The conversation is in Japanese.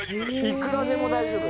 いくらでも大丈夫？